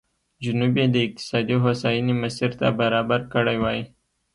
جنوب یې د اقتصادي هوساینې مسیر ته برابر کړی وای.